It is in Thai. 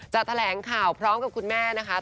แถลงข่าวพร้อมกับคุณแม่นะคะ